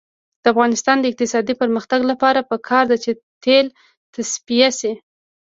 د افغانستان د اقتصادي پرمختګ لپاره پکار ده چې تیل تصفیه شي.